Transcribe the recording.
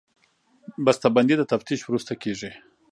بسته بندي د تفتیش وروسته کېږي.